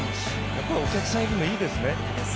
やっぱり、お客さんいるのいいですね。